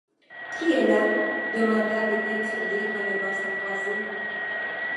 Qui est là ? demanda le taincturier en levant sa croisée.